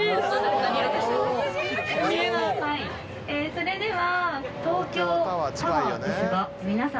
それでは。